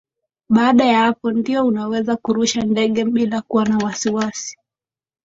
baada ya hapo ndio unaweza kurusha ndege bila kuwa na wasiwasi